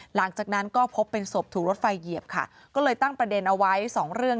หลังจากนั้นก็พบเป็นศพถูกรถไฟเหยียบค่ะก็เลยตั้งประเด็นเอาไว้สองเรื่อง